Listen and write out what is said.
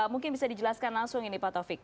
mungkin bisa dijelaskan langsung ini pak taufik